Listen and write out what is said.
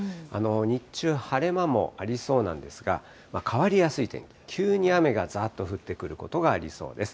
日中、晴れ間もありそうなんですが、変わりやすい天気、急に雨がざっと降ってくることがありそうです。